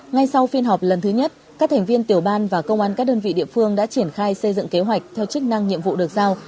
ngay sau phiên họp lần thứ nhất các thành viên tiểu ban và công an các đơn vị địa phương đã triển khai xây dựng kế hoạch theo chức năng nhiệm vụ được giao